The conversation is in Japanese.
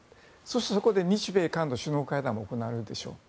そこで日米韓の首脳会談も行われるでしょう。